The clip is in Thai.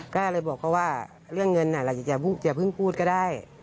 ก็เลยบอกเขาว่าเรื่องเงินเราอย่าเพิ่งพูดก็ได้